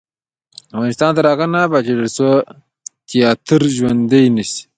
افغانستان تر هغو نه ابادیږي، ترڅو تیاتر ژوندی نشي.